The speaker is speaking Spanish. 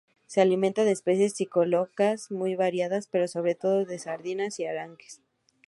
Se alimenta de especies piscícolas muy variadas, pero sobre todo de sardinas y arenques.